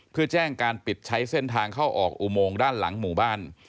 เพื่อแจ้งการปิดใช้เส้นทางเข้าออกอุโมงด้านหลังหมู่บ้าน